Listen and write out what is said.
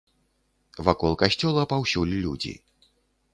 Вакол касцёла паўсюль людзі.